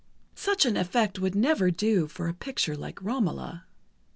Such an effect would never do for a picture like "Romola."